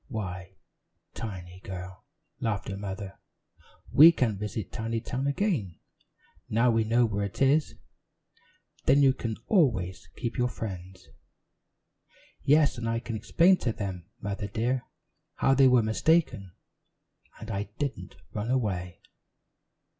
"Why, Tiny, girl," laughed her mother, "we can visit Tinytown again, now we know where it is then you can always keep your friends." "Yes, and I can explain to them, Mother dear, how they were mistaken, and I didn't run away."